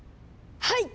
はい！